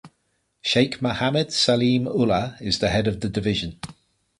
Sheikh Mohammad Salim Ullah is the head of the division.